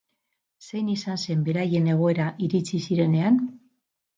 Zein izan zen beraien egoera iritsi zirenean?